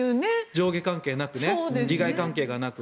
上下関係なく利害関係がなく。